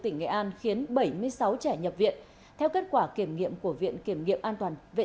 tỉnh nghệ an khiến bảy mươi sáu trẻ nhập viện theo kết quả kiểm nghiệm của viện kiểm nghiệm an toàn vệ